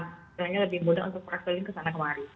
sebenarnya lebih mudah untuk berhasil kesana kemari